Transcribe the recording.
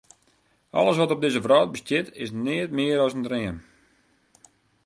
Alles wat op dizze wrâld bestiet, is neat mear as in dream.